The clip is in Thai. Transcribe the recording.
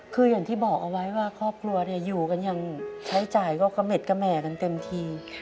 คืออย่างที่บอกเอาไว้ว่าครอบครัวอยู่กันอย่างใช้จ่ายก็กระเม็ดกระแหม่กันเต็มที